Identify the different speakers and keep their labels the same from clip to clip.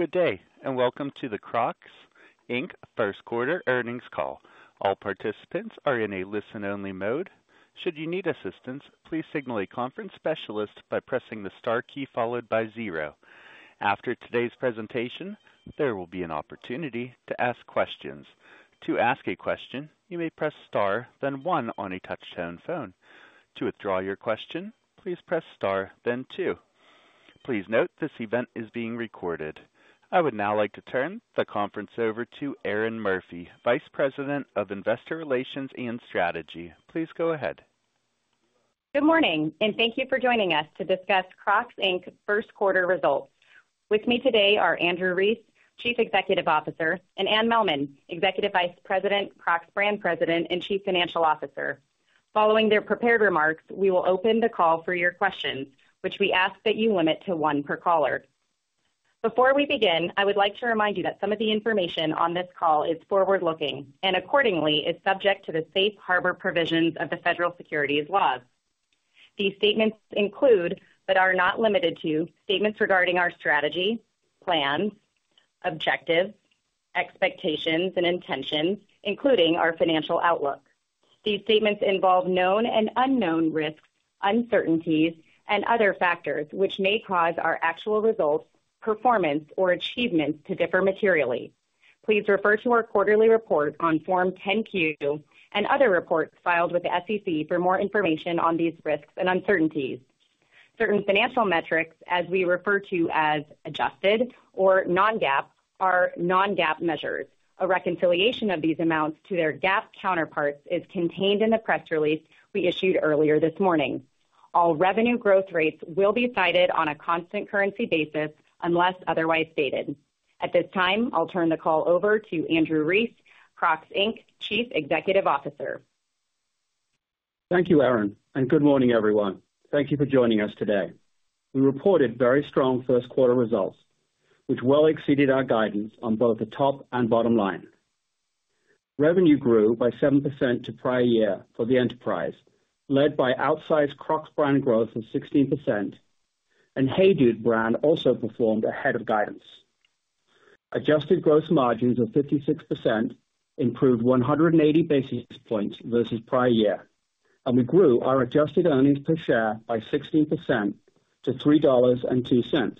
Speaker 1: Good day and welcome to the Crocs, Inc first quarter earnings call. All participants are in a listen-only mode. Should you need assistance, please signal a conference specialist by pressing the star key followed by zero. After today's presentation, there will be an opportunity to ask questions. To ask a question, you may press star, then one on a touch-tone phone. To withdraw your question, please press star, then two. Please note this event is being recorded. I would now like to turn the conference over to Erinn Murphy, Vice President of Investor Relations and Strategy. Please go ahead.
Speaker 2: Good morning, and thank you for joining us to discuss Crocs, Inc first quarter results. With me today are Andrew Rees, Chief Executive Officer, and Anne Mehlman, Executive Vice President, Crocs Brand President, and Chief Financial Officer. Following their prepared remarks, we will open the call for your questions, which we ask that you limit to one per caller. Before we begin, I would like to remind you that some of the information on this call is forward-looking and accordingly is subject to the safe harbor provisions of the Federal Securities Laws. These statements include but are not limited to statements regarding our strategy, plans, objectives, expectations, and intentions, including our financial outlook. These statements involve known and unknown risks, uncertainties, and other factors which may cause our actual results, performance, or achievements to differ materially. Please refer to our quarterly report on Form 10-Q and other reports filed with the SEC for more information on these risks and uncertainties. Certain financial metrics, as we refer to as adjusted or non-GAAP, are non-GAAP measures. A reconciliation of these amounts to their GAAP counterparts is contained in the press release we issued earlier this morning. All revenue growth rates will be cited on a constant currency basis unless otherwise stated. At this time, I'll turn the call over to Andrew Rees, Crocs, Inc Chief Executive Officer.
Speaker 3: Thank you, Erinn, and good morning, everyone. Thank you for joining us today. We reported very strong first quarter results, which well exceeded our guidance on both the top and bottom line. Revenue grew by 7% to prior year for the enterprise, led by outsized Crocs brand growth of 16%, and HEYDUDE brand also performed ahead of guidance. Adjusted gross margins of 56% improved 180 basis points versus prior year, and we grew our adjusted earnings per share by 16% to $3.02.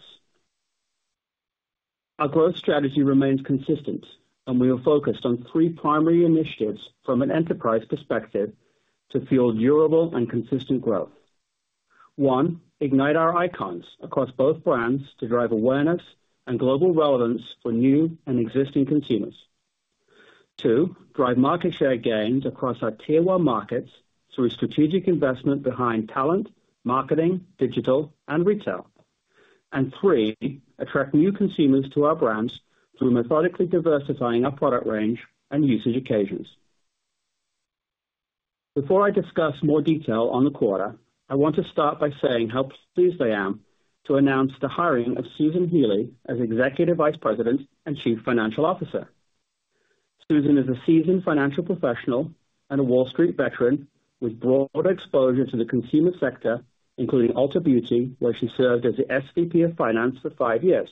Speaker 3: Our growth strategy remains consistent, and we are focused on three primary initiatives from an enterprise perspective to fuel durable and consistent growth. One, ignite our icons across both brands to drive awareness and global relevance for new and existing consumers. Two, drive market share gains across our tier one markets through strategic investment behind talent, marketing, digital, and retail. And three, attract new consumers to our brands through methodically diversifying our product range and usage occasions. Before I discuss more detail on the quarter, I want to start by saying how pleased I am to announce the hiring of Susan Healy as Executive Vice President and Chief Financial Officer. Susan is a seasoned financial professional and a Wall Street veteran with broad exposure to the consumer sector, including Ulta Beauty, where she served as the SVP of Finance for five years.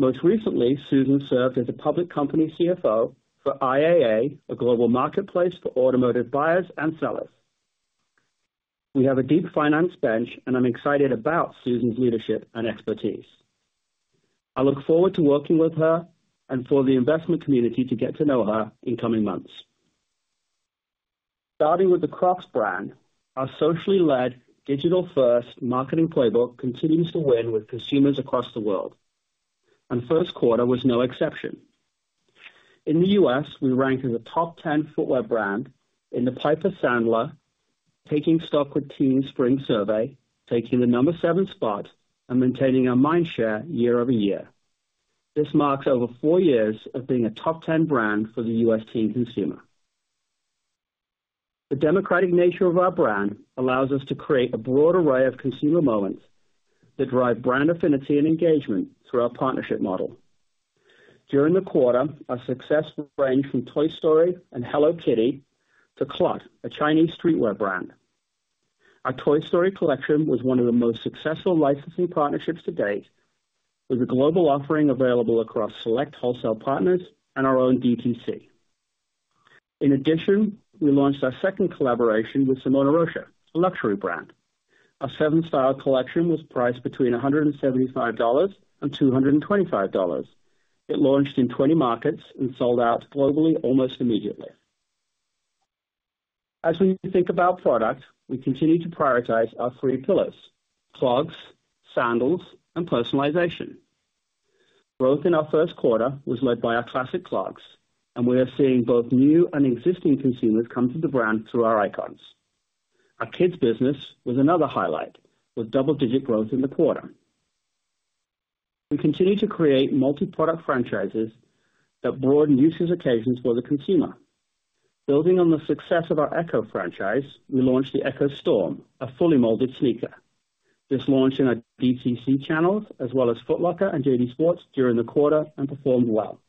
Speaker 3: Most recently, Susan served as a public company CFO for IAA, a global marketplace for automotive buyers and sellers. We have a deep finance bench, and I'm excited about Susan's leadership and expertise. I look forward to working with her and for the investment community to get to know her in coming months. Starting with the Crocs brand, our socially-led, digital-first marketing playbook continues to win with consumers across the world, and first quarter was no exception. In the U.S., we rank as a top 10 footwear brand in the Piper Sandler Taking Stock with Teens Spring Survey, taking the number seven spot, and maintaining our mind share year-over-year. This marks over four years of being a top 10 brand for the U.S. teen consumer. The democratic nature of our brand allows us to create a broad array of consumer moments that drive brand affinity and engagement through our partnership model. During the quarter, our success range from Toy Story and Hello Kitty to CLOT, a Chinese streetwear brand. Our Toy Story collection was one of the most successful licensing partnerships to date, with a global offering available across select wholesale partners and our own DTC. In addition, we launched our second collaboration with Simone Rocha, a luxury brand. Our seven-style collection was priced between $175-$225. It launched in 20 markets and sold out globally almost immediately. As we think about product, we continue to prioritize our three pillars: clogs, sandals, and personalization. Growth in our first quarter was led by our Classic Clogs, and we are seeing both new and existing consumers come to the brand through our icons. Our kids' business was another highlight, with double-digit growth in the quarter. We continue to create multi-product franchises that broaden usage occasions for the consumer. Building on the success of our Echo franchise, we launched the Echo Storm, a fully molded sneaker. This launched in our DTC channels as well as Foot Locker and JD Sports during the quarter and performed well.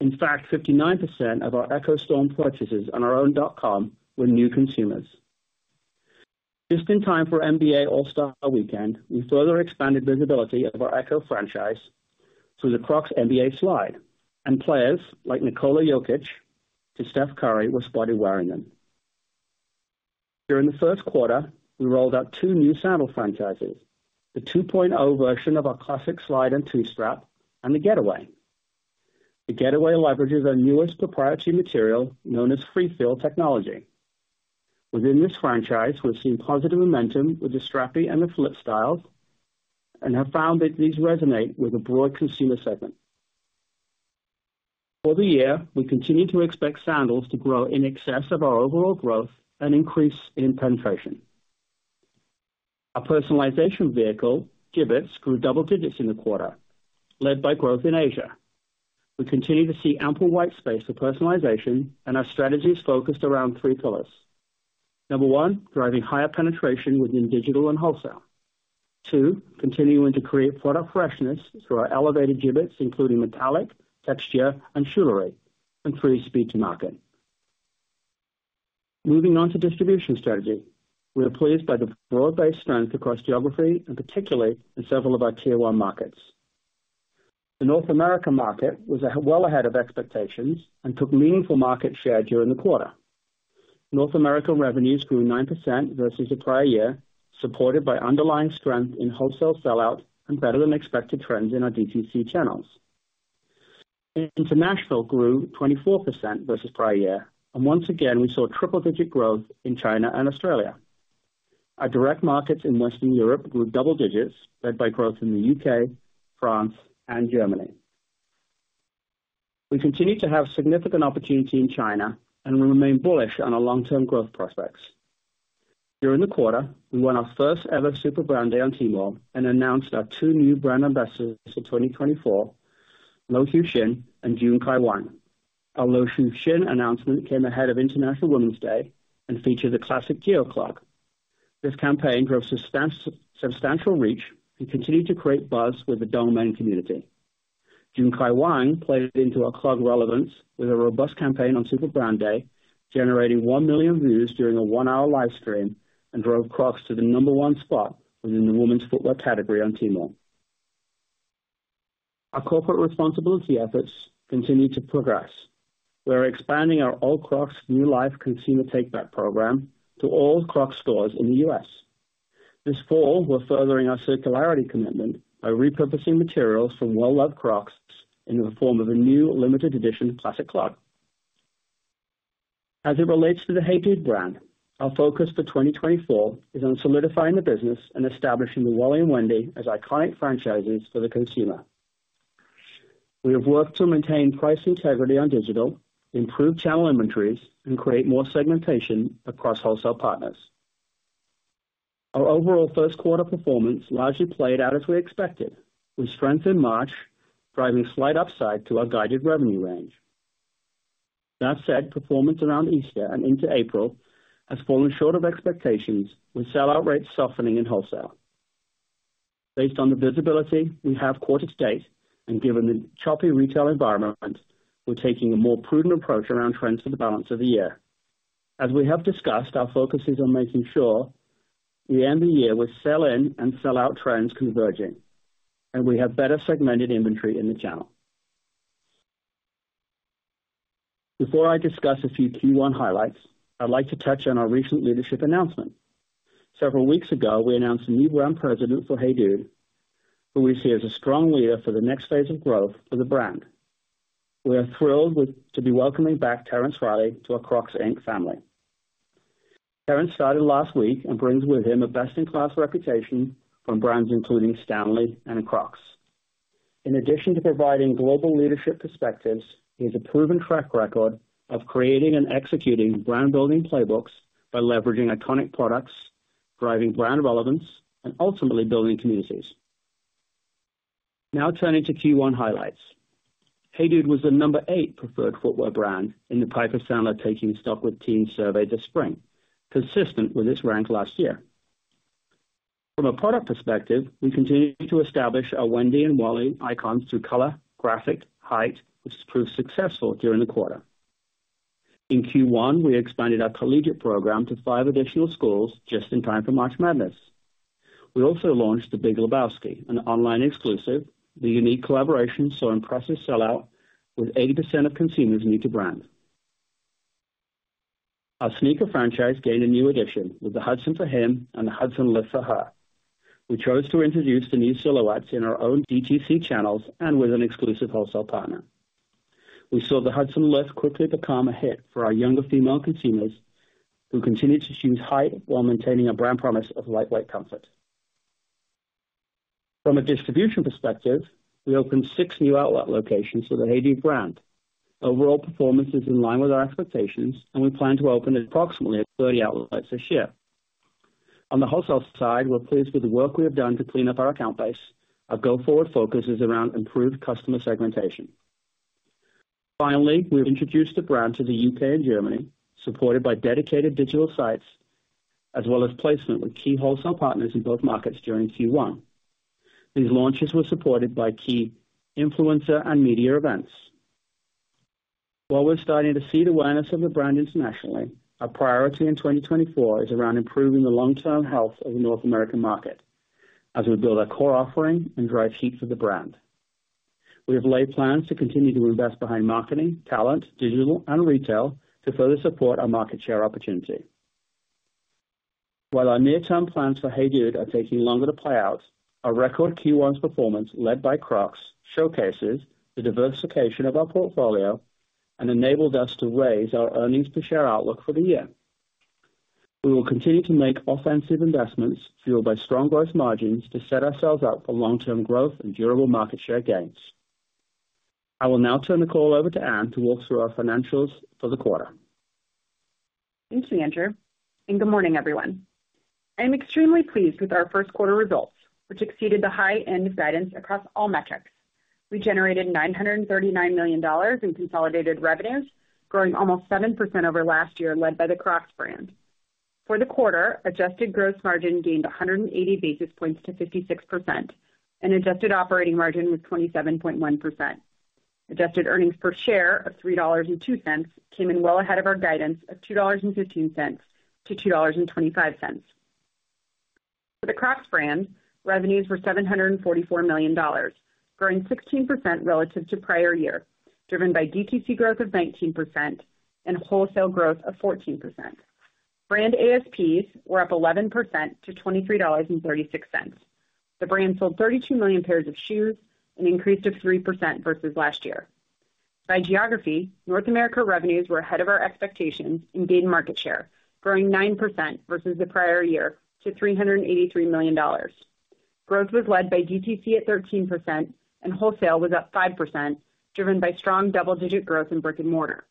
Speaker 3: In fact, 59% of our Echo Storm purchases on our own.com were new consumers. Just in time for NBA All-Star weekend, we further expanded visibility of our Echo franchise through the Crocs NBA slide, and players like Nikola Jokić to Steph Curry were spotted wearing them. During the first quarter, we rolled out two new sandal franchises: the 2.0 version of our Classic Slide and Two-Strap and the Getaway. The Getaway leverages our newest proprietary material known as Free Feel Technology. Within this franchise, we've seen positive momentum with the Strappy and the Flip styles and have found that these resonate with a broad consumer segment. For the year, we continue to expect sandals to grow in excess of our overall growth and increase in penetration. Our personalization vehicle, Jibbitz, grew double digits in the quarter, led by growth in Asia. We continue to see ample white space for personalization, and our strategy is focused around three pillars: number one, driving higher penetration within digital and wholesale; two, continuing to create product freshness through our elevated Jibbitz, including metallic, texture, and shoelery; and three, speed to market. Moving on to distribution strategy, we are pleased by the broad-based strength across geography and particularly in several of our tier one markets. The North America market was well ahead of expectations and took meaningful market share during the quarter. North America revenues grew 9% versus the prior year, supported by underlying strength in wholesale sellout and better-than-expected trends in our DTC channels. International grew 24% versus prior year, and once again, we saw triple-digit growth in China and Australia. Our direct markets in Western Europe grew double digits, led by growth in the U.K., France, and Germany. We continue to have significant opportunity in China and will remain bullish on our long-term growth prospects. During the quarter, we won our first-ever Super Brand Day on Tmall and announced our two new brand ambassadors for 2024, Liu Yuxin and Junkai Wang. Our Liu Yuxin announcement came ahead of International Women's Day and featured the Classic Geo Clog. This campaign drove substantial reach and continued to create buzz with the Domain community. Wang Junkai played into our Clog relevance with a robust campaign on Super Brand Day, generating 1 million views during a one-hour live stream, and drove Crocs to the number one spot within the women's footwear category on Tmall. Our corporate responsibility efforts continue to progress. We are expanding our Old Crocs New Life consumer take-back program to all Crocs stores in the U.S. This fall, we're furthering our circularity commitment by repurposing materials from well-loved Crocs in the form of a new limited edition Classic Clog. As it relates to the HEYDUDE brand, our focus for 2024 is on solidifying the business and establishing the Wally and Wendy as iconic franchises for the consumer. We have worked to maintain price integrity on digital, improve channel inventories, and create more segmentation across wholesale partners. Our overall first quarter performance largely played out as we expected, with strength in March driving slight upside to our guided revenue range. That said, performance around Easter and into April has fallen short of expectations, with sellout rates softening in wholesale. Based on the visibility we have quarter to date and given the choppy retail environment, we're taking a more prudent approach around trends for the balance of the year. As we have discussed, our focus is on making sure we end the year with sell-in and sell-out trends converging, and we have better segmented inventory in the channel. Before I discuss a few Q1 highlights, I'd like to touch on our recent leadership announcement. Several weeks ago, we announced a new brand president for HEYDUDE, who we see as a strong leader for the next phase of growth for the brand. We are thrilled to be welcoming back Terence Reilly to our Crocs, Inc family. Terence started last week and brings with him a best-in-class reputation from brands including Stanley and Crocs. In addition to providing global leadership perspectives, he has a proven track record of creating and executing brand-building playbooks by leveraging iconic products, driving brand relevance, and ultimately building communities. Now turning to Q1 highlights. HEYDUDE was the number eight preferred footwear brand in the Piper Sandler Taking Stock with Teens survey this spring, consistent with its rank last year. From a product perspective, we continue to establish our Wendy and Wally icons through color, graphic, height, which proved successful during the quarter. In Q1, we expanded our collegiate program to five additional schools just in time for March Madness. We also launched The Big Lebowski, an online exclusive. The unique collaboration saw impressive sellout, with 80% of consumers new to brand. Our sneaker franchise gained a new addition with the Hudson for Him and the Hudson Lift for Her. We chose to introduce the new silhouettes in our own DTC channels and with an exclusive wholesale partner. We saw the Hudson Lift quickly become a hit for our younger female consumers, who continue to choose height while maintaining our brand promise of lightweight comfort. From a distribution perspective, we opened six new outlet locations for the HEYDUDE brand. Overall performance is in line with our expectations, and we plan to open approximately 30 outlets this year. On the wholesale side, we're pleased with the work we have done to clean up our account base. Our go-forward focus is around improved customer segmentation. Finally, we've introduced the brand to the U.K. and Germany, supported by dedicated digital sites as well as placement with key wholesale partners in both markets during Q1. These launches were supported by key influencer and media events. While we're starting to see the awareness of the brand internationally, our priority in 2024 is around improving the long-term health of the North American market as we build our core offering and drive heat for the brand. We have laid plans to continue to invest behind marketing, talent, digital, and retail to further support our market share opportunity. While our near-term plans for HEYDUDE are taking longer to play out, our record Q1 performance led by Crocs showcases the diversification of our portfolio and enabled us to raise our earnings per share outlook for the year. We will continue to make offensive investments fueled by strong gross margins to set ourselves up for long-term growth and durable market share gains. I will now turn the call over to Anne to walk through our financials for the quarter.
Speaker 4: Thank you, Andrew. Good morning, everyone. I am extremely pleased with our first quarter results, which exceeded the high-end guidance across all metrics. We generated $939 million in consolidated revenues, growing almost 7% over last year, led by the Crocs brand. For the quarter, adjusted gross margin gained 180 basis points to 56%, and adjusted operating margin was 27.1%. Adjusted earnings per share of $3.02 came in well ahead of our guidance of $2.15-$2.25. For the Crocs brand, revenues were $744 million, growing 16% relative to prior year, driven by DTC growth of 19% and wholesale growth of 14%. Brand ASPs were up 11% to $23.36. The brand sold 32 million pairs of shoes, an increase of 3% versus last year. By geography, North America revenues were ahead of our expectations and gained market share, growing 9% versus the prior year to $383 million. Growth was led by DTC at 13%, and wholesale was up 5%, driven by strong double-digit growth in brick and mortar.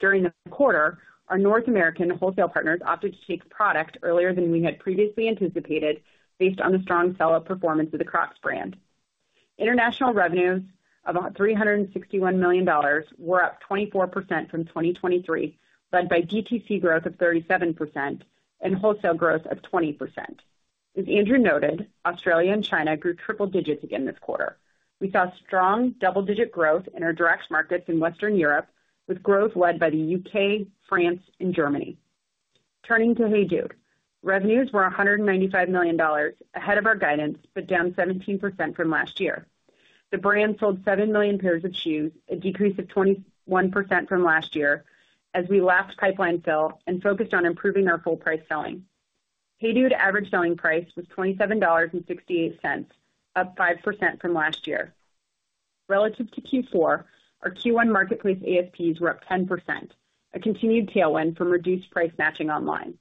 Speaker 4: During the quarter, our North American wholesale partners opted to take product earlier than we had previously anticipated based on the strong sellout performance of the Crocs brand. International revenues of $361 million were up 24% from 2023, led by DTC growth of 37% and wholesale growth of 20%. As Andrew noted, Australia and China grew triple digits again this quarter. We saw strong double-digit growth in our direct markets in Western Europe, with growth led by the U.K., France, and Germany. Turning to HEYDUDE, revenues were $195 million ahead of our guidance but down 17% from last year. The brand sold 7 million pairs of shoes, a decrease of 21% from last year, as we lapped pipeline fill and focused on improving our full-price selling. HEYDUDE average selling price was $27.68, up 5% from last year. Relative to Q4, our Q1 marketplace ASPs were up 10%, a continued tailwind from reduced price matching online.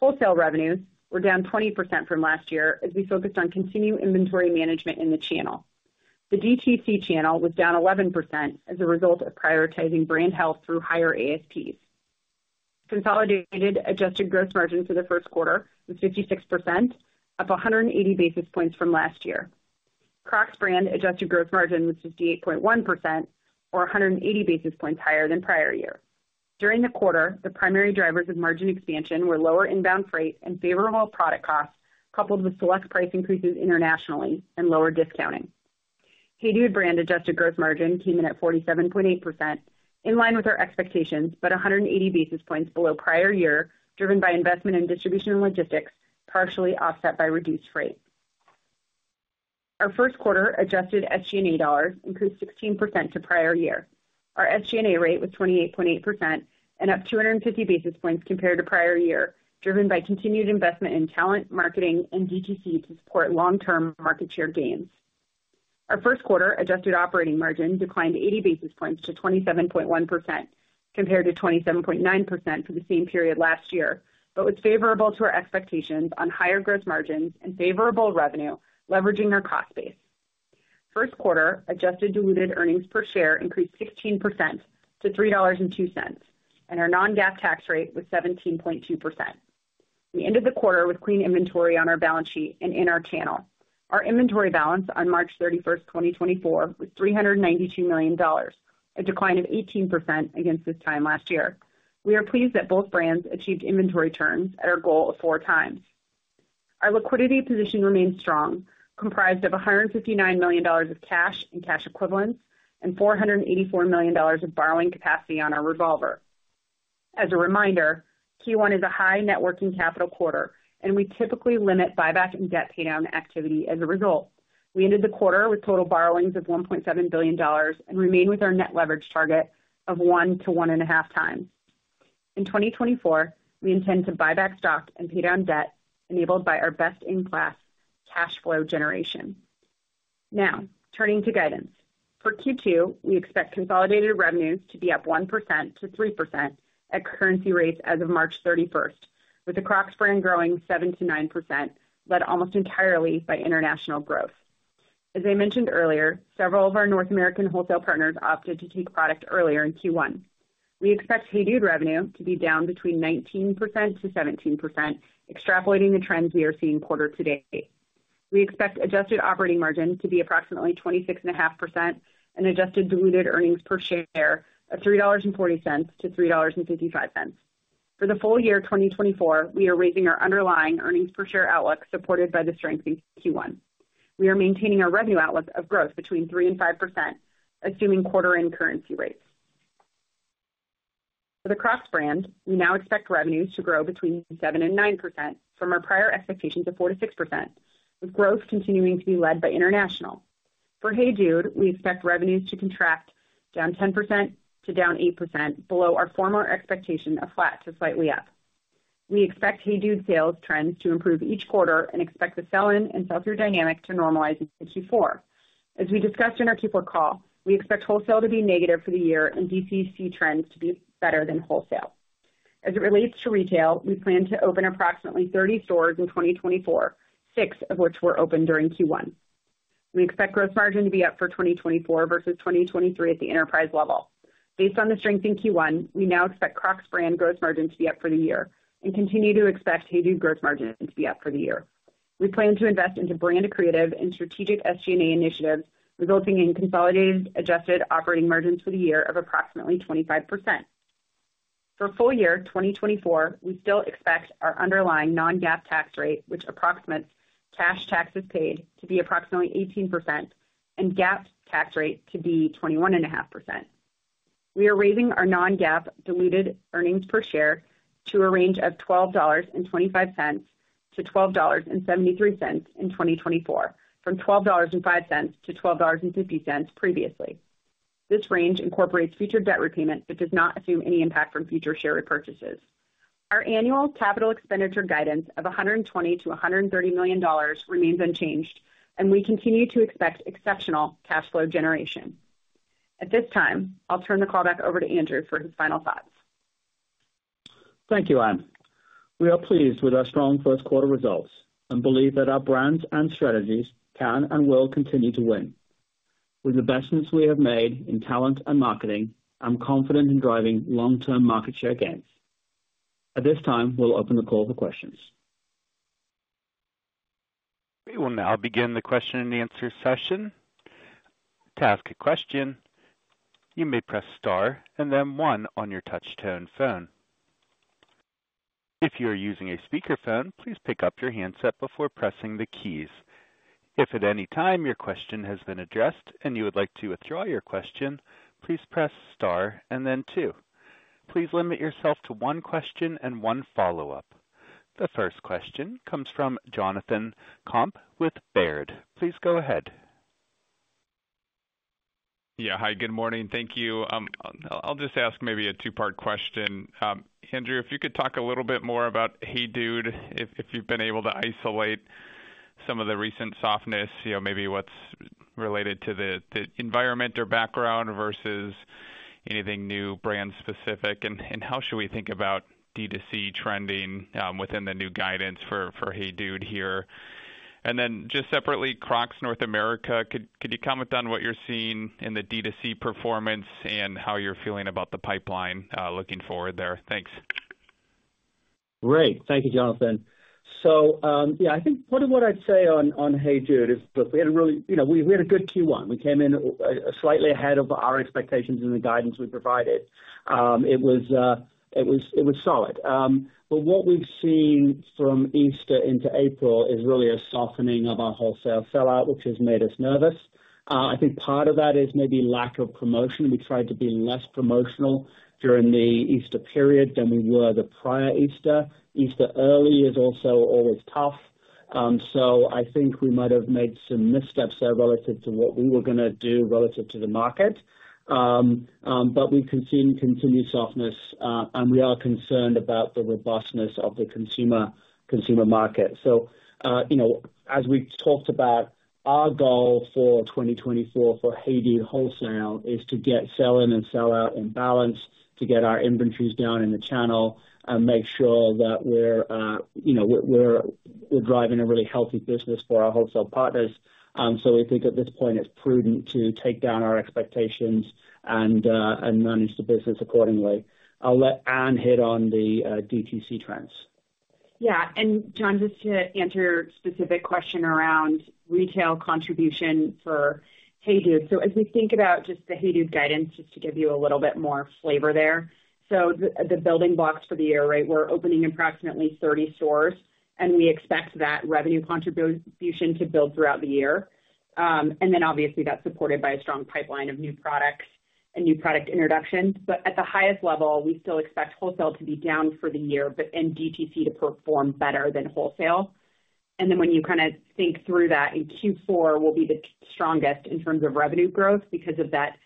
Speaker 4: Wholesale revenues were down 20% from last year as we focused on continued inventory management in the channel. The DTC channel was down 11% as a result of prioritizing brand health through higher ASPs. Consolidated adjusted gross margin for the first quarter was 56%, up 180 basis points from last year. Crocs brand adjusted gross margin was 58.1%, or 180 basis points higher than prior year. During the quarter, the primary drivers of margin expansion were lower inbound freight and favorable product costs, coupled with select price increases internationally and lower discounting. HEYDUDE's adjusted gross margin came in at 47.8%, in line with our expectations but 180 basis points below prior year, driven by investment in distribution and logistics, partially offset by reduced freight. Our first quarter adjusted SG&A dollars increased 16% to prior year. Our SG&A rate was 28.8% and up 250 basis points compared to prior year, driven by continued investment in talent, marketing, and DTC to support long-term market share gains. Our first quarter adjusted operating margin declined 80 basis points to 27.1% compared to 27.9% for the same period last year but was favorable to our expectations on higher gross margins and favorable revenue, leveraging our cost base. First quarter adjusted diluted earnings per share increased 16% to $3.02, and our non-GAAP tax rate was 17.2%. We ended the quarter with clean inventory on our balance sheet and in our channel. Our inventory balance on March 31st, 2024, was $392 million, a decline of 18% against this time last year. We are pleased that both brands achieved inventory turns at our goal of four times. Our liquidity position remains strong, comprised of $159 million of cash and cash equivalents and $484 million of borrowing capacity on our revolver. As a reminder, Q1 is a high net working capital quarter, and we typically limit buyback and debt paydown activity as a result. We ended the quarter with total borrowings of $1.7 billion and remain with our net leverage target of 1-1.5 times. In 2024, we intend to buyback stock and paydown debt enabled by our best-in-class cash flow generation. Now, turning to guidance. For Q2, we expect consolidated revenues to be up 1%-3% at currency rates as of March 31st, with the Crocs brand growing 7%-9%, led almost entirely by international growth. As I mentioned earlier, several of our North American wholesale partners opted to take product earlier in Q1. We expect HEYDUDE revenue to be down between 19%-17%, extrapolating the trends we are seeing quarter to date. We expect adjusted operating margin to be approximately 26.5% and adjusted diluted earnings per share of $3.40-$3.55. For the full year 2024, we are raising our underlying earnings per share outlook, supported by the strength in Q1. We are maintaining our revenue outlook of growth between 3%-5%, assuming quarter-end currency rates. For the Crocs brand, we now expect revenues to grow between 7%-9% from our prior expectations of 4%-6%, with growth continuing to be led by international. For HEYDUDE, we expect revenues to contract, down 10%-8%, below our former expectation of flat to slightly up. We expect HEYDUDE sales trends to improve each quarter and expect the sell-in and sell-through dynamic to normalize into Q4. As we discussed in our Q4 call, we expect wholesale to be negative for the year and DTC trends to be better than wholesale. As it relates to retail, we plan to open approximately 30 stores in 2024, six of which were open during Q1. We expect gross margin to be up for 2024 versus 2023 at the enterprise level. Based on the strength in Q1, we now expect Crocs brand gross margin to be up for the year and continue to expect HEYDUDE gross margin to be up for the year. We plan to invest into brand creative and strategic SG&A initiatives, resulting in consolidated adjusted operating margins for the year of approximately 25%. For full year 2024, we still expect our underlying non-GAAP tax rate, which approximates cash taxes paid, to be approximately 18% and GAAP tax rate to be 21.5%. We are raising our non-GAAP diluted earnings per share to a range of $12.25-$12.73 in 2024, from $12.05-$12.50 previously. This range incorporates future debt repayment but does not assume any impact from future share repurchases. Our annual capital expenditure guidance of $120-$130 million remains unchanged, and we continue to expect exceptional cash flow generation. At this time, I'll turn the call back over to Andrew for his final thoughts.
Speaker 3: Thank you, Anne. We are pleased with our strong first quarter results and believe that our brands and strategies can and will continue to win. With the investments we have made in talent and marketing, I'm confident in driving long-term market share gains. At this time, we'll open the call for questions.
Speaker 1: We will now begin the question and answer session. To ask a question, you may press star and then one on your touch-tone phone. If you are using a speakerphone, please pick up your handset before pressing the keys. If at any time your question has been addressed and you would like to withdraw your question, please press star and then two. Please limit yourself to one question and one follow-up. The first question comes from Jonathan Komp with Baird. Please go ahead.
Speaker 5: Yeah. Hi. Good morning. Thank you. I'll just ask maybe a two-part question. Andrew, if you could talk a little bit more about HEYDUDE, if you've been able to isolate some of the recent softness, maybe what's related to the environment or background versus anything new brand-specific, and how should we think about DTC trending within the new guidance for HEYDUDE here? And then just separately, Crocs North America, could you comment on what you're seeing in the DTC performance and how you're feeling about the pipeline looking forward there? Thanks.
Speaker 3: Great. Thank you, Jonathan. So yeah, I think part of what I'd say on HEYDUDE is that we had a really good Q1. We came in slightly ahead of our expectations in the guidance we provided. It was solid. But what we've seen from Easter into April is really a softening of our wholesale sellout, which has made us nervous. I think part of that is maybe lack of promotion. We tried to be less promotional during the Easter period than we were the prior Easter. Easter early is also always tough. So I think we might have made some missteps there relative to what we were going to do relative to the market. But we can see continued softness, and we are concerned about the robustness of the consumer market. So as we talked about, our goal for 2024 for HEYDUDE wholesale is to get sell-in and sellout in balance, to get our inventories down in the channel, and make sure that we're driving a really healthy business for our wholesale partners. So we think at this point, it's prudent to take down our expectations and manage the business accordingly. I'll let Anne hit on the DTC trends.
Speaker 4: Yeah. And Jonathan, just to answer your specific question around retail contribution for HEYDUDE, so as we think about just the HEYDUDE guidance, just to give you a little bit more flavor there, so the building blocks for the year, right, we're opening approximately 30 stores, and we expect that revenue contribution to build throughout the year. And then obviously, that's supported by a strong pipeline of new products and new product introductions. But at the highest level, we still expect wholesale to be down for the year and DTC to perform better than wholesale. And then when you kind of think through that, in Q4 will be the strongest in terms of revenue growth because of that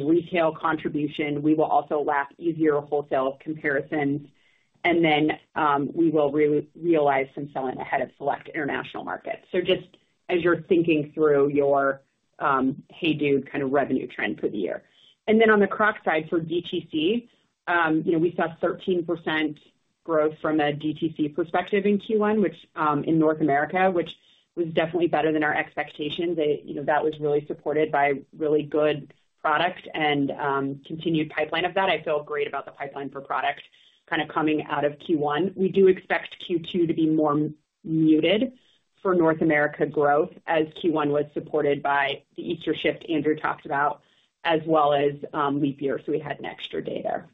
Speaker 4: retail contribution. We will also lap easier wholesale comparisons, and then we will realize some sell-in ahead of select international markets. So just as you're thinking through your HEYDUDE kind of revenue trend for the year. And then on the Crocs side for DTC, we saw 13% growth from a DTC perspective in Q1 in North America, which was definitely better than our expectations. That was really supported by really good product and continued pipeline of that. I feel great about the pipeline for product kind of coming out of Q1. We do expect Q2 to be more muted for North America growth as Q1 was supported by the Easter shift Andrew talked about, as well as leap year. So we had an extra day there.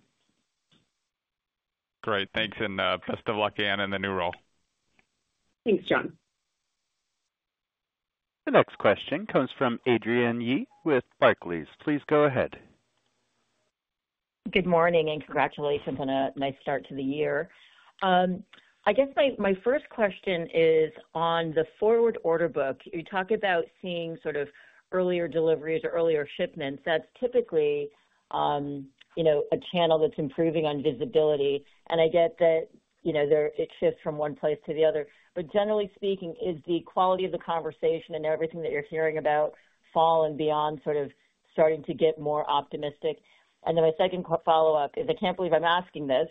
Speaker 5: Great. Thanks. Best of luck, Anne, in the new role.
Speaker 4: Thanks, Jon.
Speaker 1: The next question comes from Adrienne Yih with Barclays. Please go ahead.
Speaker 6: Good morning and congratulations on a nice start to the year. I guess my first question is on the forward order book. You talk about seeing sort of earlier deliveries or earlier shipments. That's typically a channel that's improving on visibility. And I get that it shifts from one place to the other. But generally speaking, is the quality of the conversation and everything that you're hearing about falling beyond sort of starting to get more optimistic? And then my second follow-up is I can't believe I'm asking this,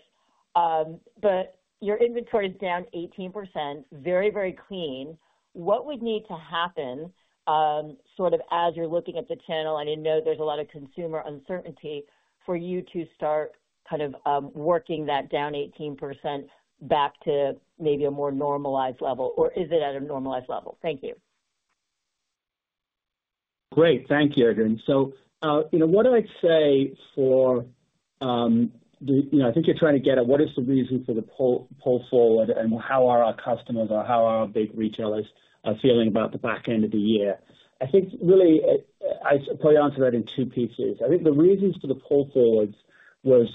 Speaker 6: but your inventory is down 18%, very, very clean. What would need to happen sort of as you're looking at the channel? And I know there's a lot of consumer uncertainty for you to start kind of working that down 18% back to maybe a more normalized level, or is it at a normalized level? Thank you.
Speaker 3: Great. Thank you, Adrienne. So what I'd say for the I think you're trying to get at what is the reason for the pull forward and how are our customers or how are our big retailers feeling about the back end of the year? I think really I'll probably answer that in two pieces. I think the reasons for the pull forwards was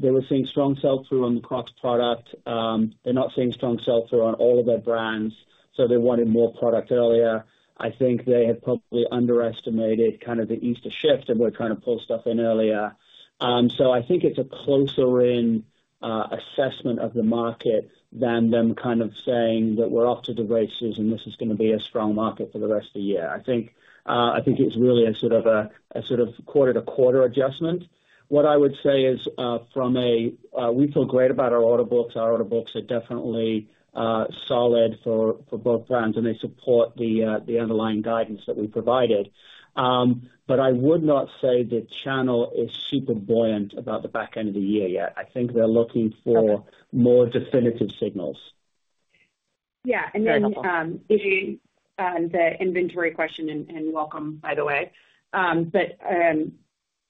Speaker 3: they were seeing strong sell-through on the Crocs product. They're not seeing strong sell-through on all of their brands, so they wanted more product earlier. I think they had probably underestimated kind of the Easter shift and were trying to pull stuff in earlier. So I think it's a closer-in assessment of the market than them kind of saying that we're off to the races and this is going to be a strong market for the rest of the year. I think it was really a sort of a sort of quarter-to-quarter adjustment. What I would say is we feel great about our order books. Our order books are definitely solid for both brands, and they support the underlying guidance that we provided. But I would not say the channel is super buoyant about the back end of the year yet. I think they're looking for more definitive signals.
Speaker 4: Yeah. And then, Adrienne, on the inventory question and welcome, by the way. But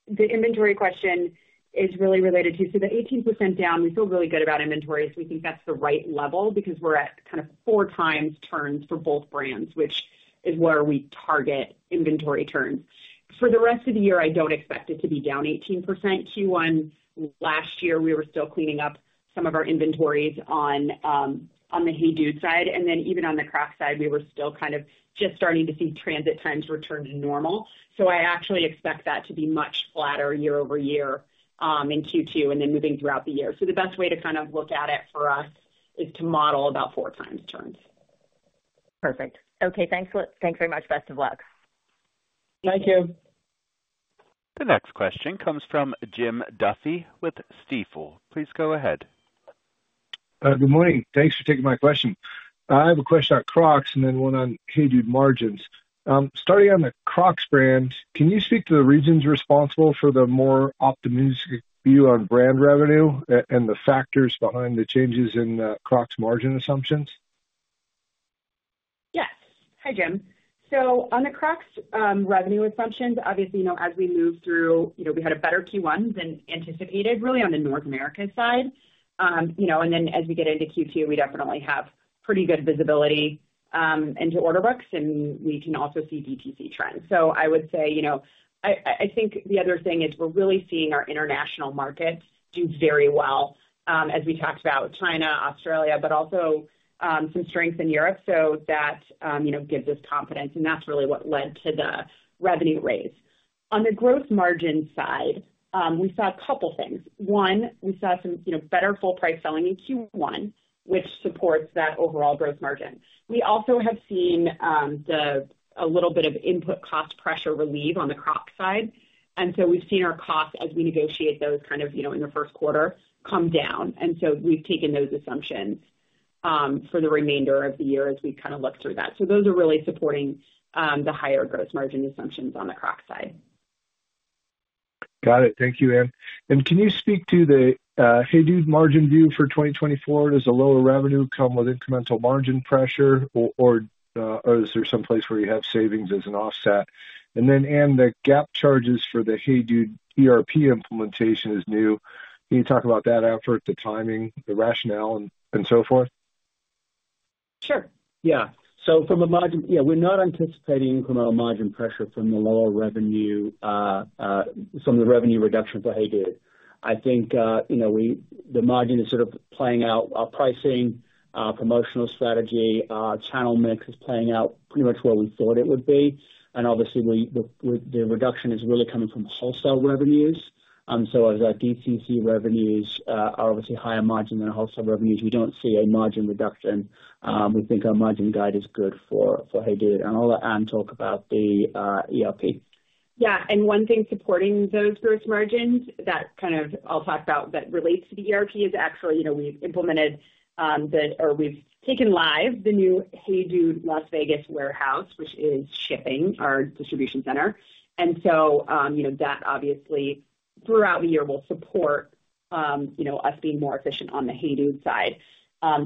Speaker 4: the inventory question is really related to the 18% down. We feel really good about inventories. We think that's the right level because we're at kind of four times turns for both brands, which is where we target inventory turns. For the rest of the year, I don't expect it to be down 18%. Q1 last year, we were still cleaning up some of our inventories on the HEYDUDE side. And then even on the Crocs side, we were still kind of just starting to see transit times return to normal. So I actually expect that to be much flatter year-over-year in Q2 and then moving throughout the year. So the best way to kind of look at it for us is to model about four times turns.
Speaker 6: Perfect. Okay. Thanks very much. Best of luck.
Speaker 4: Thank you.
Speaker 1: The next question comes from Jim Duffy with Stifel. Please go ahead.
Speaker 7: Good morning. Thanks for taking my question. I have a question on Crocs and then one on HEYDUDE margins. Starting on the Crocs brand, can you speak to the regions responsible for the more optimistic view on brand revenue and the factors behind the changes in Crocs margin assumptions?
Speaker 4: Yes. Hi, Jim. So on the Crocs revenue assumptions, obviously, as we move through, we had a better Q1 than anticipated, really on the North America side. And then as we get into Q2, we definitely have pretty good visibility into order books, and we can also see DTC trends. So I would say I think the other thing is we're really seeing our international markets do very well, as we talked about, China, Australia, but also some strength in Europe. So that gives us confidence, and that's really what led to the revenue raise. On the gross margin side, we saw a couple of things. One, we saw some better full-price selling in Q1, which supports that overall gross margin. We also have seen a little bit of input cost pressure relief on the Crocs side. So we've seen our costs, as we negotiate those, kind of in the first quarter, come down. We've taken those assumptions for the remainder of the year as we kind of look through that. So those are really supporting the higher gross margin assumptions on the Crocs side.
Speaker 7: Got it. Thank you, Anne. Can you speak to the HEYDUDE margin view for 2024? Does the lower revenue come with incremental margin pressure, or is there some place where you have savings as an offset? Anne, the GAAP charges for the HEYDUDE ERP implementation is new. Can you talk about that effort, the timing, the rationale, and so forth?
Speaker 4: Sure.
Speaker 3: Yeah. So from a margin, yeah, we're not anticipating incremental margin pressure from the lower revenue some of the revenue reduction for HEYDUDE. I think the margin is sort of playing out our pricing, promotional strategy, channel mix is playing out pretty much where we thought it would be. And obviously, the reduction is really coming from wholesale revenues. So as our DTC revenues are obviously higher margin than our wholesale revenues, we don't see a margin reduction. We think our margin guide is good for HEYDUDE and all that Anne talked about, the ERP.
Speaker 4: Yeah. And one thing supporting those gross margins that kind of I'll talk about that relates to the ERP is actually we've implemented or we've taken live the new HEYDUDE Las Vegas warehouse, which is our distribution center, shipping. And so that obviously, throughout the year, will support us being more efficient on the HEYDUDE side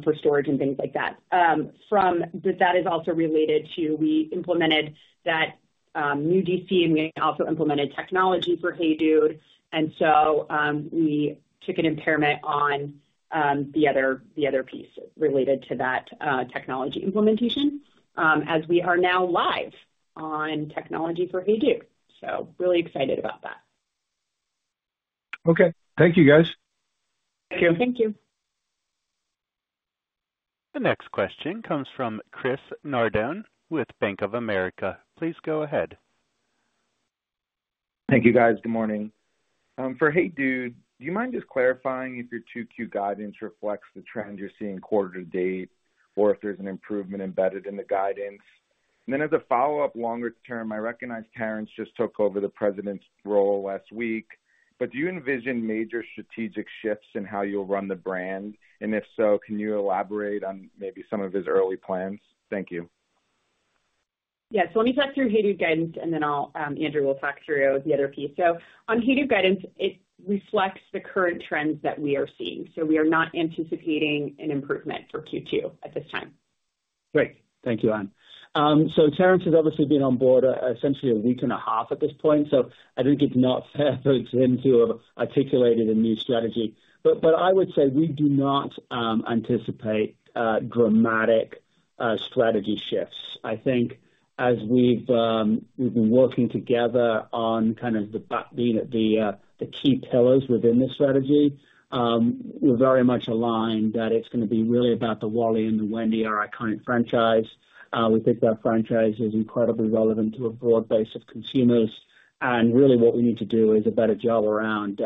Speaker 4: for storage and things like that. But that is also related to we implemented that new DC, and we also implemented technology for HEYDUDE. And so we took an impairment on the other piece related to that technology implementation as we are now live on technology for HEYDUDE. So really excited about that.
Speaker 7: Okay. Thank you, guys.
Speaker 3: Thank you.
Speaker 4: Thank you.
Speaker 1: The next question comes from Chris Nardone with Bank of America. Please go ahead.
Speaker 8: Thank you, guys. Good morning. For HEYDUDE, do you mind just clarifying if your 2Q guidance reflects the trend you're seeing quarter to date or if there's an improvement embedded in the guidance? And then as a follow-up, longer term, I recognize Terence just took over the President's role last week. But do you envision major strategic shifts in how you'll run the brand? And if so, can you elaborate on maybe some of his early plans? Thank you.
Speaker 4: Yeah. So let me talk through HEYDUDE guidance, and then Andrew will talk through the other piece. So on HEYDUDE guidance, it reflects the current trends that we are seeing. So we are not anticipating an improvement for Q2 at this time.
Speaker 3: Great. Thank you, Anne. So Terence has obviously been on board essentially a week and a half at this point. So I think it's not fair for him to have articulated a new strategy. But I would say we do not anticipate dramatic strategy shifts. I think as we've been working together on kind of being at the key pillars within the strategy, we're very much aligned that it's going to be really about the Wally and the Wendy are iconic franchise. We think that franchise is incredibly relevant to a broad base of consumers. And really, what we need to do is a better job around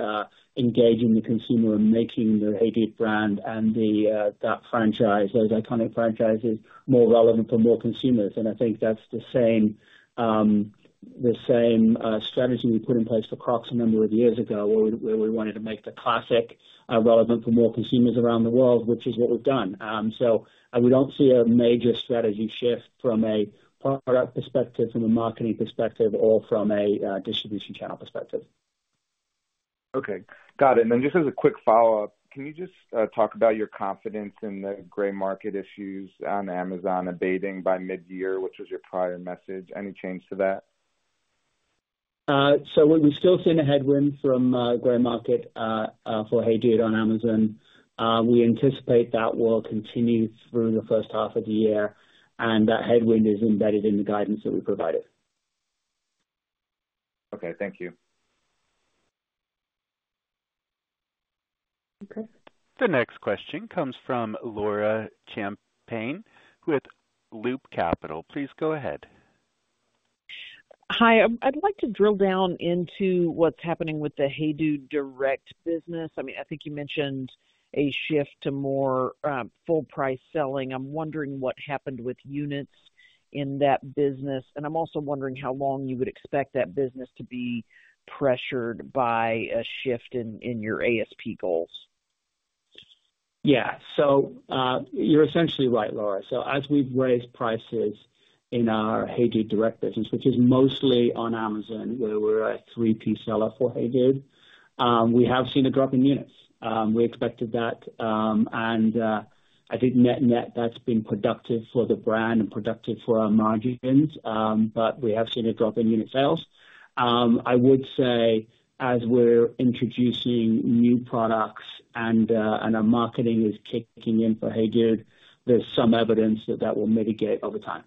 Speaker 3: engaging the consumer and making the HEYDUDE brand and that franchise, those iconic franchises, more relevant for more consumers. I think that's the same strategy we put in place for Crocs a number of years ago where we wanted to make the classic relevant for more consumers around the world, which is what we've done. We don't see a major strategy shift from a product perspective, from a marketing perspective, or from a distribution channel perspective.
Speaker 8: Okay. Got it. And then just as a quick follow-up, can you just talk about your confidence in the gray market issues on Amazon abating by mid-year, which was your prior message? Any change to that?
Speaker 3: We're still seeing a headwind from gray market for HEYDUDE on Amazon. We anticipate that will continue through the first half of the year, and that headwind is embedded in the guidance that we provided.
Speaker 8: Okay. Thank you.
Speaker 4: Okay.
Speaker 1: The next question comes from Laura Champine with Loop Capital. Please go ahead.
Speaker 9: Hi. I'd like to drill down into what's happening with the HEYDUDE direct business. I mean, I think you mentioned a shift to more full-price selling. I'm wondering what happened with units in that business. And I'm also wondering how long you would expect that business to be pressured by a shift in your ASP goals.
Speaker 3: Yeah. So you're essentially right, Laura. So as we've raised prices in our HEYDUDE direct business, which is mostly on Amazon, where we're a 3P seller for HEYDUDE, we have seen a drop in units. We expected that. And I think net-net, that's been productive for the brand and productive for our margins. But we have seen a drop in unit sales. I would say as we're introducing new products and our marketing is kicking in for HEYDUDE, there's some evidence that that will mitigate over time.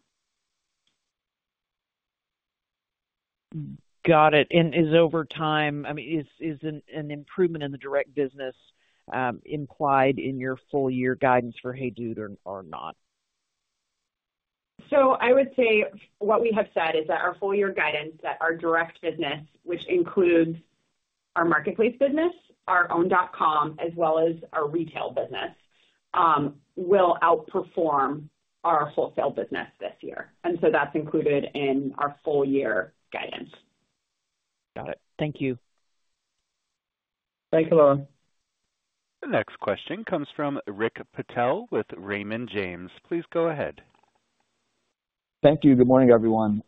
Speaker 9: Got it. Over time, I mean, is an improvement in the direct business implied in your full-year guidance for HEYDUDE or not?
Speaker 4: I would say what we have said is that our full-year guidance, that our direct business, which includes our marketplace business, our own.com, as well as our retail business, will outperform our wholesale business this year. That's included in our full-year guidance.
Speaker 9: Got it. Thank you.
Speaker 3: Thank you, Laura.
Speaker 1: The next question comes from Rick Patel with Raymond James. Please go ahead.
Speaker 10: Thank you. Good morning, everyone.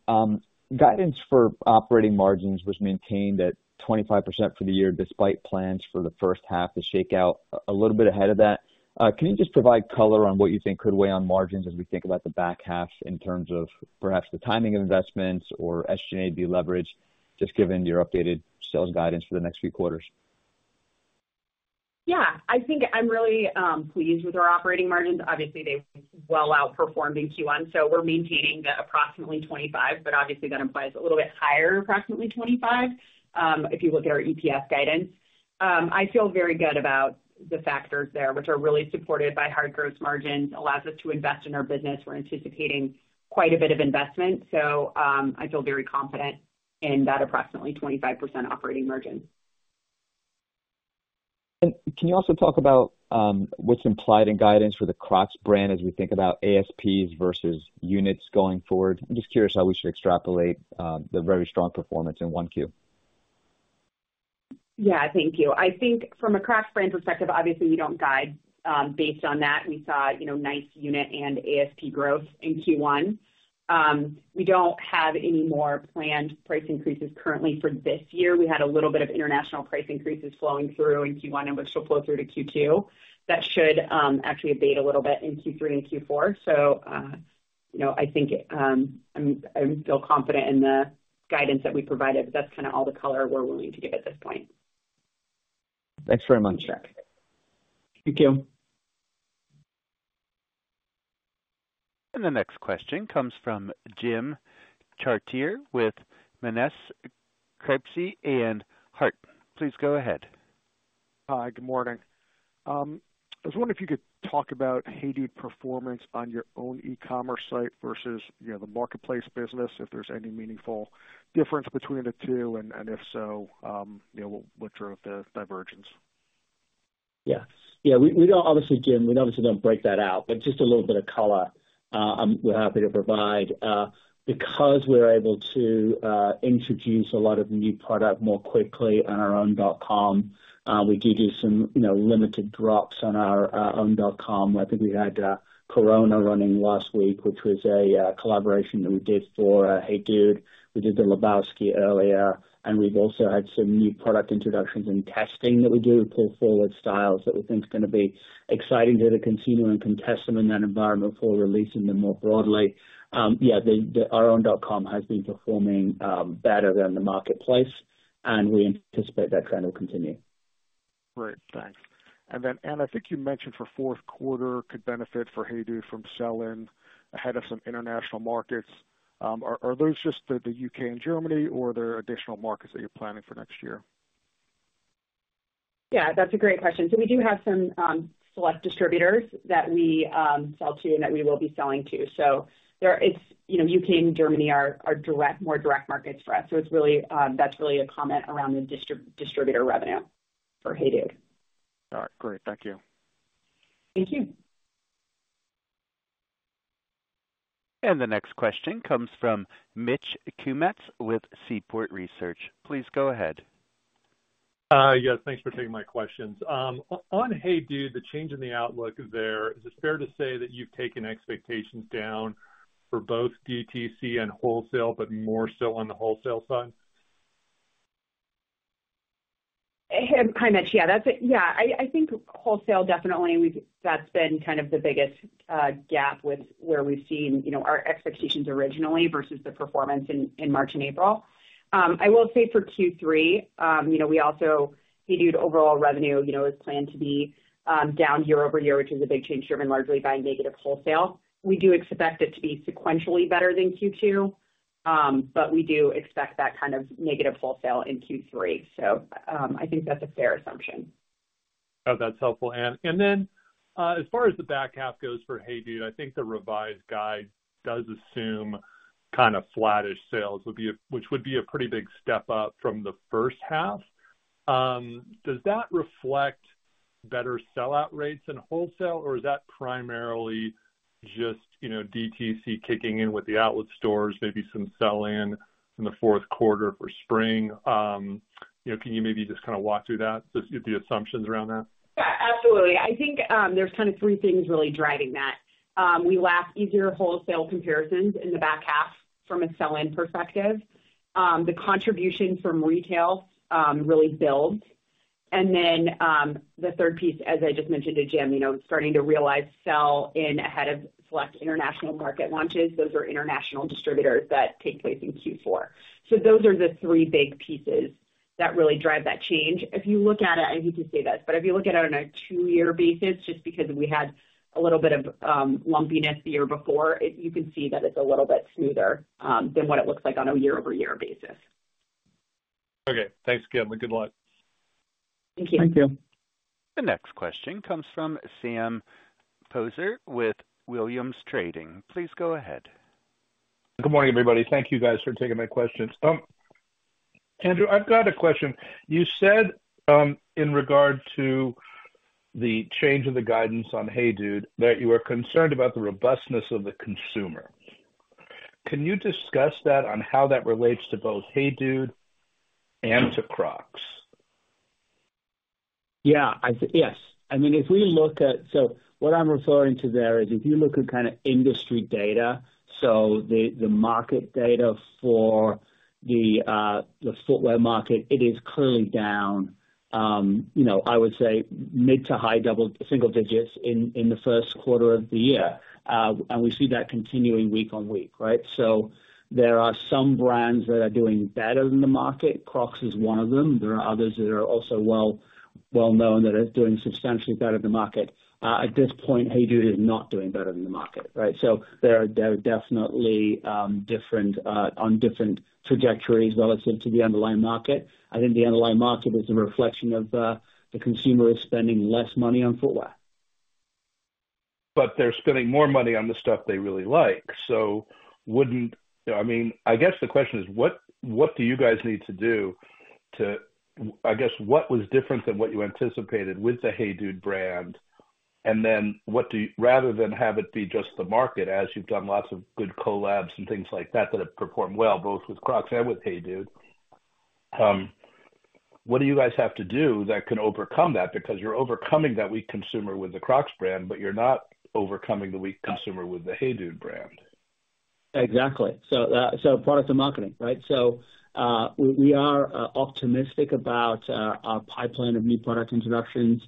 Speaker 10: Guidance for operating margins was maintained at 25% for the year despite plans for the first half to shake out a little bit ahead of that. Can you just provide color on what you think could weigh on margins as we think about the back half in terms of perhaps the timing of investments or SG&A leverage, just given your updated sales guidance for the next few quarters?
Speaker 4: Yeah. I think I'm really pleased with our operating margins. Obviously, they well outperformed in Q1. So we're maintaining the approximately 25%, but obviously, that implies a little bit higher, approximately 25%, if you look at our EPS guidance. I feel very good about the factors there, which are really supported by strong gross margins, allows us to invest in our business. We're anticipating quite a bit of investment. So I feel very confident in that approximately 25% operating margin.
Speaker 10: Can you also talk about what's implied in guidance for the Crocs brand as we think about ASPs versus units going forward? I'm just curious how we should extrapolate the very strong performance in 1Q.
Speaker 4: Yeah. Thank you. I think from a Crocs brand perspective, obviously, we don't guide based on that. We saw nice unit and ASP growth in Q1. We don't have any more planned price increases currently for this year. We had a little bit of international price increases flowing through in Q1 and which will flow through to Q2. That should actually abate a little bit in Q3 and Q4. So I think I feel confident in the guidance that we provided. But that's kind of all the color we're willing to give at this point.
Speaker 10: Thanks very much.
Speaker 3: Thank you.
Speaker 1: The next question comes from Jim Chartier with Monness, Crespi, Hardt. Please go ahead.
Speaker 11: Hi. Good morning. I was wondering if you could talk about HEYDUDE performance on your own e-commerce site versus the marketplace business, if there's any meaningful difference between the two, and if so, what drove the divergence?
Speaker 3: Yeah. Yeah. Obviously, Jim, we obviously don't break that out, but just a little bit of color we're happy to provide. Because we're able to introduce a lot of new product more quickly on our own.com, we do do some limited drops on our own.com. I think we had Corona running last week, which was a collaboration that we did for HEYDUDE. We did the Lebowski earlier. And we've also had some new product introductions and testing that we do with pull-forward styles that we think's going to be exciting to the consumer and consistent in that environment before releasing them more broadly. Yeah. Our own.com has been performing better than the marketplace, and we anticipate that trend will continue.
Speaker 11: Great. Thanks. And then, Anne, I think you mentioned for fourth quarter could benefit for HEYDUDE from selling ahead of some international markets. Are those just the U.K. and Germany, or are there additional markets that you're planning for next year?
Speaker 4: Yeah. That's a great question. So we do have some select distributors that we sell to and that we will be selling to. So U.K. and Germany are more direct markets for us. So that's really a comment around the distributor revenue for HEYDUDE.
Speaker 11: All right. Great. Thank you.
Speaker 4: Thank you.
Speaker 1: The next question comes from Mitch Kummetz with Seaport Research. Please go ahead.
Speaker 12: Yes. Thanks for taking my questions. On HEYDUDE, the change in the outlook there, is it fair to say that you've taken expectations down for both DTC and wholesale, but more so on the wholesale side?
Speaker 4: Hi, Mitch. Yeah. Yeah. I think wholesale, definitely, that's been kind of the biggest gap with where we've seen our expectations originally versus the performance in March and April. I will say for Q3, we also HEYDUDE overall revenue is planned to be down year-over-year, which is a big change driven largely by negative wholesale. We do expect it to be sequentially better than Q2, but we do expect that kind of negative wholesale in Q3. So I think that's a fair assumption.
Speaker 12: Oh, that's helpful, Anne. And then as far as the back half goes for HEYDUDE, I think the revised guide does assume kind of flattish sales, which would be a pretty big step up from the first half. Does that reflect better sellout rates in wholesale, or is that primarily just DTC kicking in with the outlet stores, maybe some sell-in in the fourth quarter for spring? Can you maybe just kind of walk through the assumptions around that?
Speaker 4: Yeah. Absolutely. I think there's kind of three things really driving that. We lack easier wholesale comparisons in the back half from a sell-in perspective. The contribution from retail really builds. And then the third piece, as I just mentioned to Jim, starting to realize sell-in ahead of select international market launches, those are international distributors that take place in Q4. So those are the three big pieces that really drive that change. If you look at it, I hate to say this, but if you look at it on a two-year basis, just because we had a little bit of lumpiness the year before, you can see that it's a little bit smoother than what it looks like on a year-over-year basis.
Speaker 12: Okay. Thanks, again and good luck.
Speaker 4: Thank you.
Speaker 3: Thank you.
Speaker 1: The next question comes from Sam Poser with Williams Trading. Please go ahead.
Speaker 13: Good morning, everybody. Thank you, guys, for taking my questions. Andrew, I've got a question. You said in regard to the change in the guidance on HEYDUDE that you were concerned about the robustness of the consumer. Can you discuss that on how that relates to both HEYDUDE and to Crocs?
Speaker 3: Yeah. Yes. I mean, if we look at so what I'm referring to there is if you look at kind of industry data, so the market data for the footwear market, it is clearly down, I would say, mid to high single digits in the first quarter of the year. And we see that continuing week-on-week, right? So there are some brands that are doing better than the market. Crocs is one of them. There are others that are also well-known that are doing substantially better than the market. At this point, HEYDUDE is not doing better than the market, right? So they're definitely on different trajectories relative to the underlying market. I think the underlying market is a reflection of the consumer is spending less money on footwear.
Speaker 13: But they're spending more money on the stuff they really like. So I mean, I guess the question is, what do you guys need to do to, I guess, what was different than what you anticipated with the HEYDUDE brand? And then rather than have it be just the market, as you've done lots of good collabs and things like that that have performed well, both with Crocs and with HEYDUDE, what do you guys have to do that can overcome that? Because you're overcoming that weak consumer with the Crocs brand, but you're not overcoming the weak consumer with the HEYDUDE brand.
Speaker 3: Exactly. So product and marketing, right? So we are optimistic about our pipeline of new product introductions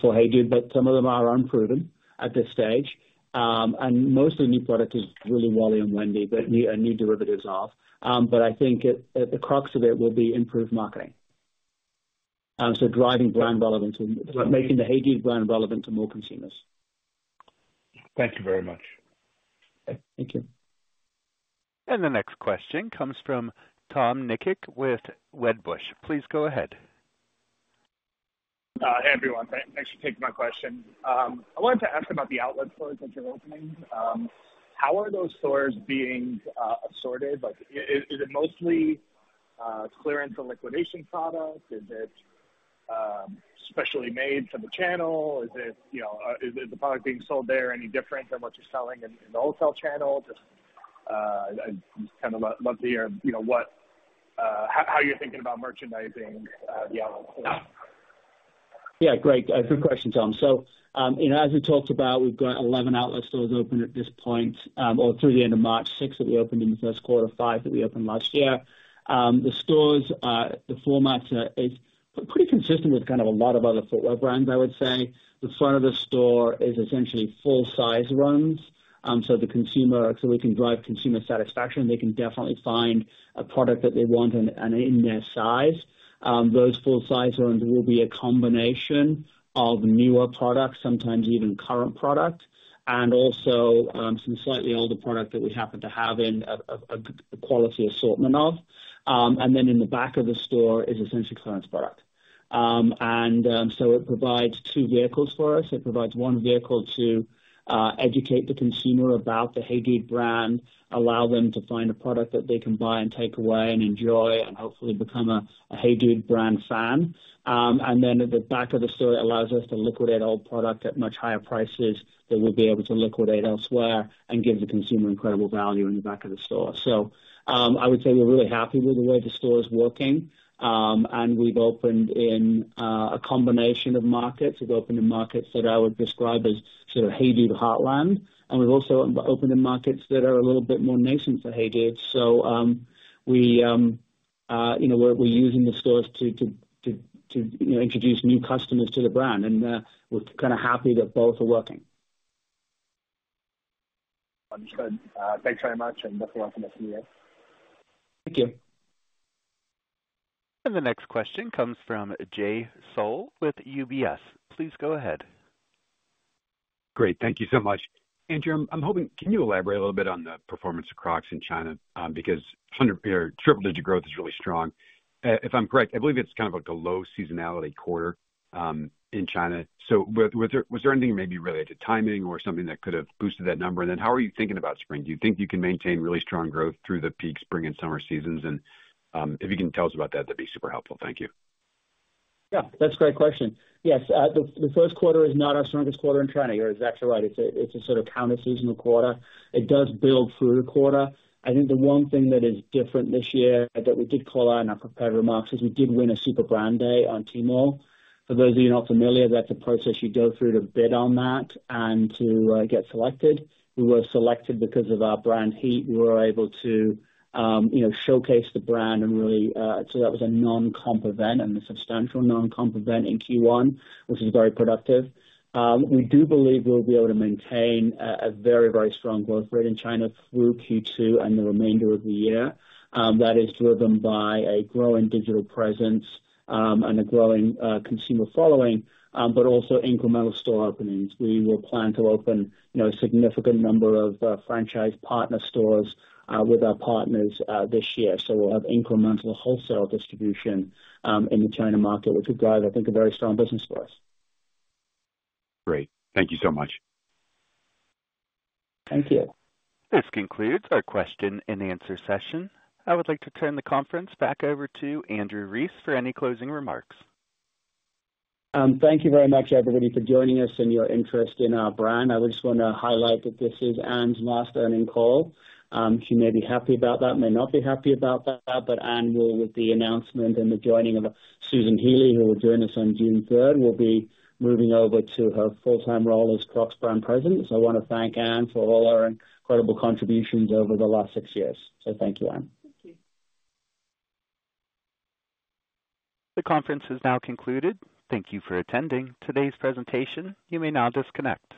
Speaker 3: for HEYDUDE, but some of them are unproven at this stage. And most of the new product is really Wally and Wendy, but new derivatives off. But I think the crux of it will be improved marketing. So driving brand relevance, making the HEYDUDE brand relevant to more consumers.
Speaker 13: Thank you very much.
Speaker 3: Thank you.
Speaker 1: The next question comes from Tom Nikic with Wedbush. Please go ahead.
Speaker 14: Hey, everyone. Thanks for taking my question. I wanted to ask about the outlet stores that you're opening. How are those stores being assorted? Is it mostly clearance and liquidation product? Is it specially made for the channel? Is the product being sold there any different than what you're selling in the wholesale channel? I'd just kind of love to hear how you're thinking about merchandising the outlet stores.
Speaker 3: Yeah. Great. Good question, Tom. So as we talked about, we've got 11 outlet stores open at this point, or through the end of March. Six that we opened in the first quarter, five that we opened last year. The format is pretty consistent with kind of a lot of other footwear brands, I would say. The front of the store is essentially full-size runs. So we can drive consumer satisfaction. They can definitely find a product that they want in their size. Those full-size runs will be a combination of newer products, sometimes even current product, and also some slightly older product that we happen to have in a quality assortment of. And then in the back of the store is essentially clearance product. And so it provides two vehicles for us. It provides one vehicle to educate the consumer about the HEYDUDE brand, allow them to find a product that they can buy and take away and enjoy and hopefully become a HEYDUDE brand fan. And then at the back of the store, it allows us to liquidate old product at much higher prices that we'll be able to liquidate elsewhere and give the consumer incredible value in the back of the store. I would say we're really happy with the way the store is working. And we've opened in a combination of markets. We've opened in markets that I would describe as sort of HEYDUDE heartland. And we've also opened in markets that are a little bit more nascent for HEYDUDE. We're using the stores to introduce new customers to the brand. And we're kind of happy that both are working.
Speaker 14: Understood. Thanks very much, and best of luck in this year.
Speaker 3: Thank you.
Speaker 1: The next question comes from Jay Sole with UBS. Please go ahead.
Speaker 15: Great. Thank you so much. Andrew, can you elaborate a little bit on the performance of Crocs in China? Because triple-digit growth is really strong. If I'm correct, I believe it's kind of a low seasonality quarter in China. So was there anything maybe related to timing or something that could have boosted that number? And then how are you thinking about spring? Do you think you can maintain really strong growth through the peak spring and summer seasons? And if you can tell us about that, that'd be super helpful. Thank you.
Speaker 3: Yeah. That's a great question. Yes. The first quarter is not our strongest quarter in China. You're exactly right. It's a sort of counter-seasonal quarter. It does build through the quarter. I think the one thing that is different this year that we did call out in our preparatory remarks is we did win a Super Brand Day on Tmall. For those of you not familiar, that's a process you go through to bid on that and to get selected. We were selected because of our brand heat. We were able to showcase the brand and really so that was a non-comp event, and a substantial non-comp event in Q1, which was very productive. We do believe we'll be able to maintain a very, very strong growth rate in China through Q2 and the remainder of the year. That is driven by a growing digital presence and a growing consumer following, but also incremental store openings. We will plan to open a significant number of franchise partner stores with our partners this year. So we'll have incremental wholesale distribution in the China market, which would drive, I think, a very strong business for us.
Speaker 15: Great. Thank you so much.
Speaker 3: Thank you.
Speaker 1: This concludes our question-and-answer session. I would like to turn the conference back over to Andrew Rees for any closing remarks.
Speaker 3: Thank you very much, everybody, for joining us and your interest in our brand. I would just want to highlight that this is Anne's last earnings call. She may be happy about that, may not be happy about that. But Anne, with the announcement and the joining of Susan Healy, who will join us on June 3rd, will be moving over to her full-time role as Crocs Brand President. So I want to thank Anne for all her incredible contributions over the last six years. So thank you, Anne.
Speaker 4: Thank you.
Speaker 1: The conference has now concluded. Thank you for attending today's presentation. You may now disconnect.